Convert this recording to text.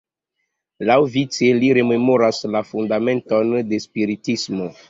Laŭvice li rememoras la fundamenton de Spiritismo.